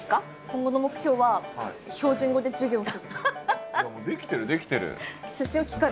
今後の目標は標準語で授業する。